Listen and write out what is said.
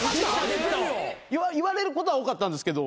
言われることは多かったんですけど。